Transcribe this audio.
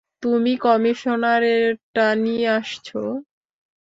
তুমি, কমিশনারেরটা নিয়ে আসছো!